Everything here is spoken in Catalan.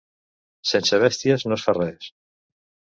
Sense bèsties no es fa res.